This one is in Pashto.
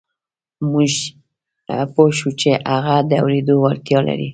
موږ پوه شوو چې هغه د اورېدو وړتیا لري